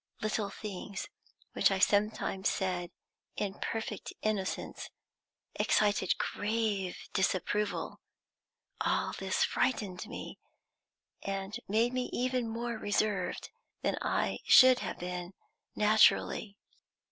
Little things which I sometimes said, in perfect innocence, excited grave disapproval. All this frightened me, and made me even more reserved than I should have been naturally.